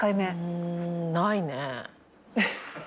うんないね。